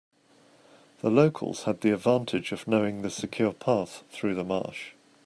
The locals had the advantage of knowing the secure path through the marsh.